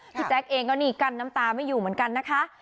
แจ๊กเองก็นี่กั้นน้ำตาไม่อยู่เหมือนกันนะคะ